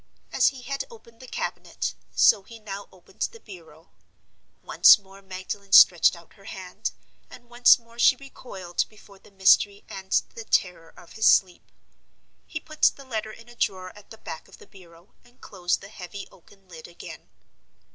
As he had opened the cabinet, so he now opened the bureau. Once more Magdalen stretched out her hand, and once more she recoiled before the mystery and the terror of his sleep. He put the letter in a drawer at the back of the bureau, and closed the heavy oaken lid again.